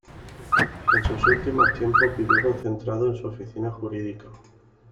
En sus últimos tiempos vivió concentrado en su oficina jurídica.